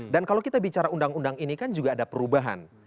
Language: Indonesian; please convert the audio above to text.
dan kalau kita bicara undang undang ini kan juga ada perubahan